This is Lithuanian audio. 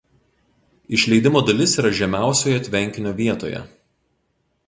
Išleidimo dalis yra žemiausioje tvenkinio vietoje.